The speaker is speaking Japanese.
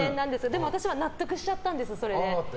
でも私は納得しちゃったんですそれで。